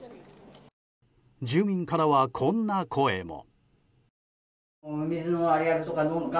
住民からは、こんな声も。